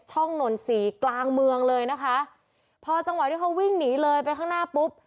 หน่นสีกลางเมืองเลยนะคะพอจังหวะที่เขาวิ่งหนีเลยไปข้างหน้าปุ๊บ